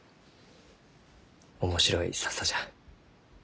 面白いササじゃ。